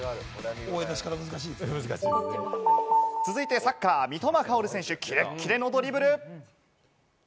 続いてサッカー、三笘薫選手、キレッキレのドリブル！